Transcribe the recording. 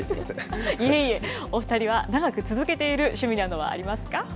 いえいえ、お２人は長く続けている趣味などはありますか。